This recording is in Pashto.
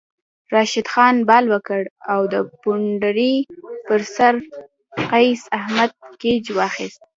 راشد خان بال وکړ او د بونډرۍ پر سر قیص احمد کیچ واخیست